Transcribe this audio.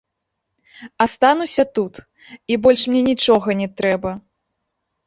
Астануся тут, і больш мне нічога не трэба.